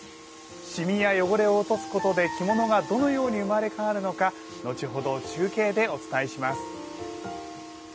染みや汚れを落とすことで着物がどのように生まれ変わるのか後ほど中継でお伝えします。